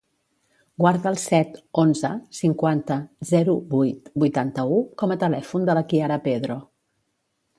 Guarda el set, onze, cinquanta, zero, vuit, vuitanta-u com a telèfon de la Kiara Pedro.